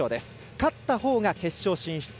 勝ったほうが決勝進出。